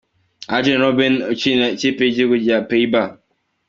Arjen Robben ukinira ikipe y’igihugu cya Pays-Bas.